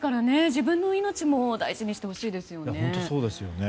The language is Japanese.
自分の命も大事にしてほしいですよね。